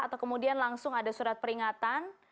atau kemudian langsung ada surat peringatan